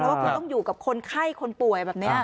ว่าคุณต้องอยู่กับคนไข้คนป่วยแบบนี้